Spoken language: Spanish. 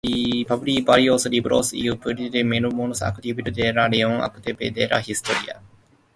Publicó varios libros y fue miembro activo de la Real Academia de la Historia.